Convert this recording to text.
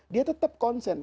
dia tetap konsen